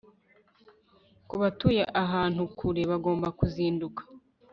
Kubatuye ahantu kure bagomba kuzinduka